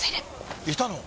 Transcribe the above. いたの？